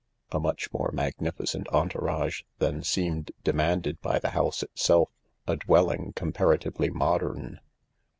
A much more magnificent entourage than seemed demanded by the house itself, a dwelling compara tively modern.